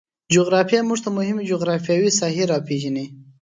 جغرافیه موږ ته مهمې جغرفیاوې ساحې روپیژني